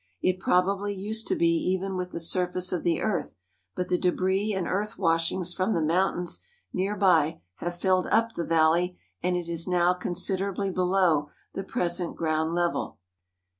It probably used to be even with the surface of the earth, but the debris and earth washings from the mountains near by have filled up the valley, and it is now considerably below the present ground level.